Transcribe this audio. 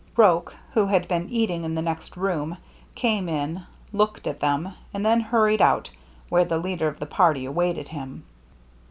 Roche, who had been eating in the next room, came in, looked at them, and then hur ried out, where the leader of the party awaited him.